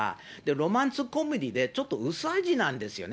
ロマンスコメディーでちょっと薄味なんですよね。